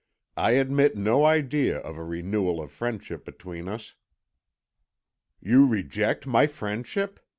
"I admit no idea of a renewal of friendship between us." "You reject my friendship?"